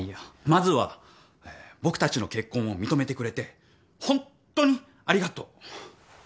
まずはえぇ僕たちの結婚を認めてくれてほんっとにありがとう。